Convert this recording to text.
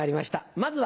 まずは。